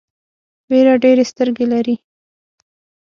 وېره ډېرې سترګې لري.